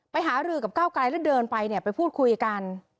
หารือกับก้าวไกลแล้วเดินไปเนี่ยไปพูดคุยกัน